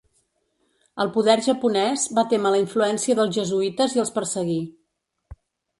El poder japonès va témer la influència dels jesuïtes i els perseguí.